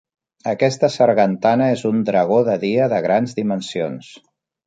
Aquesta sargantana és un dragó de dia de grans dimensions.